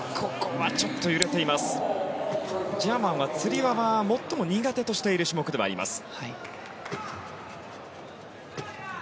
ジャーマンはつり輪を最も苦手としている種目ではあります。